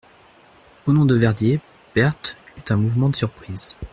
Au nom de Verdier, Berthe eut un mouvement de surprise.